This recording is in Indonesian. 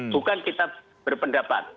bukan kita berpendapat